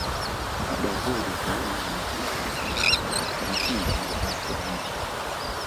Baada ya uhuru ukoloni unaendelea Afrika kwa misingi na sura mpya.